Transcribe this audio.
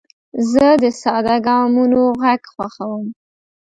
زه د ساده ګامونو غږ خوښوم.